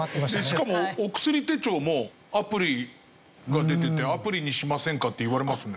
しかもお薬手帳もアプリが出ててアプリにしませんかって言われますもん。